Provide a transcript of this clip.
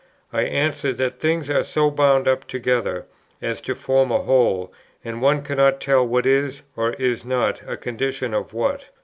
I answer, that things are so bound up together, as to form a whole, and one cannot tell what is or is not a condition of what.